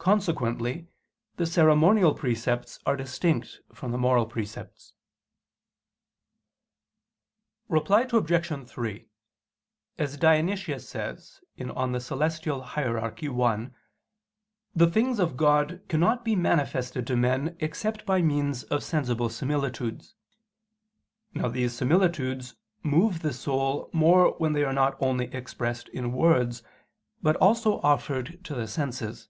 Consequently the ceremonial precepts are distinct from the moral precepts. Reply Obj. 3: As Dionysius says (Coel. Hier. i), the things of God cannot be manifested to men except by means of sensible similitudes. Now these similitudes move the soul more when they are not only expressed in words, but also offered to the senses.